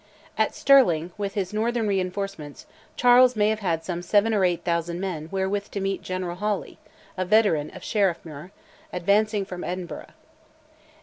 At Stirling, with his northern reinforcements, Charles may have had some seven or eight thousand men wherewith to meet General Hawley (a veteran of Sheriffmuir) advancing from Edinburgh.